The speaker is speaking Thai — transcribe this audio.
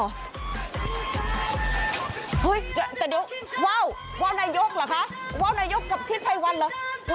เฮ้ยเดี๋ยวว่าวว่าวนายกเหรอคะว่าวนายกกับทิศภัยวันเหรอ